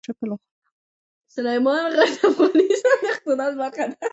سلیمان غر د افغانستان د اقتصاد برخه ده.